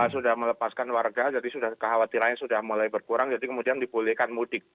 sudah melepaskan warga jadi sudah kekhawatirannya sudah mulai berkurang jadi kemudian dibolehkan mudik